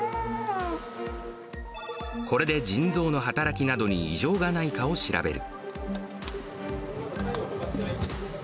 これで腎臓の働きなどに異常がないかを調べる。